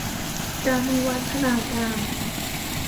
การวิวัฒนาการ